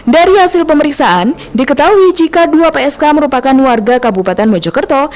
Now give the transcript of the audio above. dari hasil pemeriksaan diketahui jika dua psk merupakan warga kabupaten mojokerto